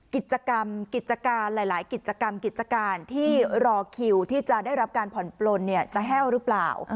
กิจกรรมกิจการหลายกิจกรรมกิจการที่รอคิวที่จะได้รับการผ่อนปลนจะแห้วหรือเปล่า